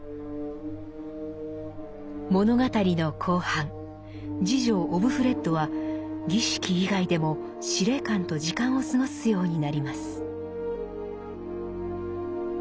物語の後半侍女オブフレッドは「儀式」以外でも司令官と時間を過ごすようになります。